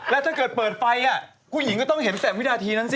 แล้วถ้าเกิดเปิดไฟผู้หญิงก็ต้องเห็นแต่วินาทีนั้นสิ